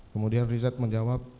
kemudian richard menjawab